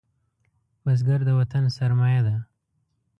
بزګر د وطن سرمايه ده